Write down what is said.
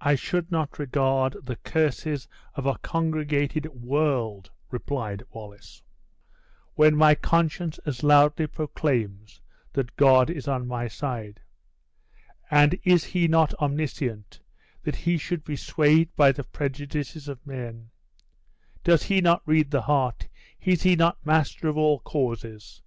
"I should not regard the curses of a congregated world," replied Wallace, "when my conscience as loudly proclaims that God is on my side. And is he not omniscient, that he should be swayed by the prejudices of men? Does he not read the heart? Is he not master of all causes?